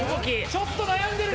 ちょっと悩んでる。